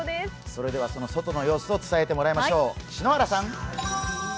それではその外の様子を伝えてもらいましょう。